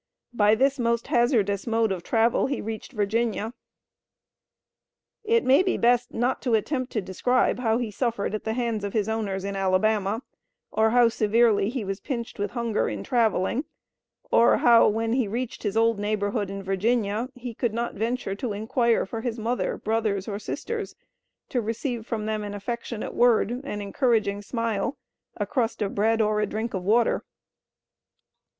By this most hazardous mode of travel he reached Virginia. It may be best not to attempt to describe how he suffered at the hands of his owners in Alabama; or how severely he was pinched with hunger in traveling; or how, when he reached his old neighborhood in Virginia, he could not venture to inquire for his mother, brothers or sisters, to receive from them an affectionate word, an encouraging smile, a crust of bread, or a drink of water.